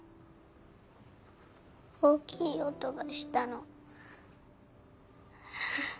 大きい音がしたの。